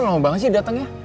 lu lama banget sih dateng ya